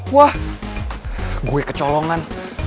wah gue kecolongan